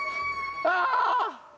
ああ！